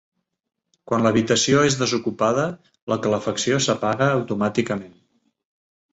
Quan l'habitació és desocupada, la calefacció s'apaga automàticament.